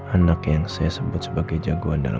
anak yang saya sebut sebagai jagoan di pulau